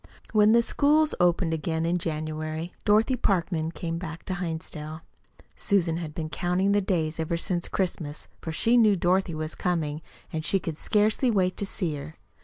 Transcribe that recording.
When the schools opened again in January, Dorothy Parkman came back to Hinsdale. Susan had been counting the days ever since Christmas, for she knew Dorothy was coming, and she could scarcely wait to see her.